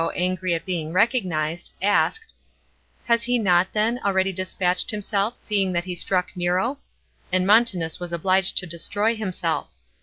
CHAP, xvn angry at being recognised, asked " Has henot, then, already dispatched himself, seeing that he strut k Nero? ''and Montanus was oblLed to destroy himself.